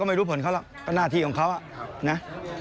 ก็ไม่รู้ผลเขาหรอกน่าที่ของเขาอะ